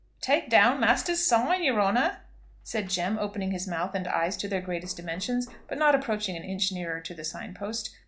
"Take down master's sign, your honour?" said Jem, opening his mouth and eyes to their greatest dimensions, but not approaching an inch nearer to the sign post.